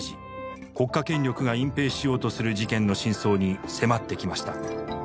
国家権力が隠蔽しようとする事件の真相に迫ってきました。